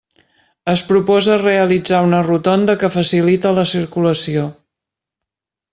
Es proposa realitzar una rotonda que facilite la circulació.